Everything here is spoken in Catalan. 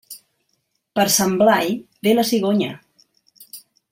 Per Sant Blai ve la cigonya.